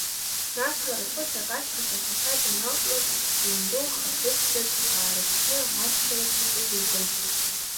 Нас лара ԥыҭрак ашьҭахь ацәа даналҵлак, ланду лхаԥыцзаҵә аарыԥшны, аччара дшаҿыз лбон.